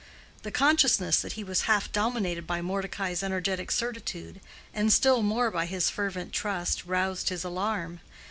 The consciousness that he was half dominated by Mordecai's energetic certitude, and still more by his fervent trust, roused his alarm.